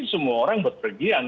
semua orang berpergian